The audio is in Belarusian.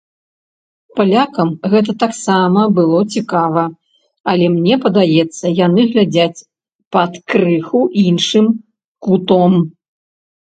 Палякам гэта таксама было цікава, але мне падаецца, яны глядзяць пад крыху іншым кутом.